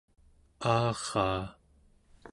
aaraa